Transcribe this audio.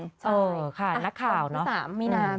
ใช่ค่ะนักข่าวเนอะอ่ะคุณสามมีนาม